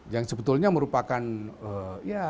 yang sebetulnya merupakan ya